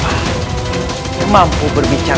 jangan lupa untuk berlangganan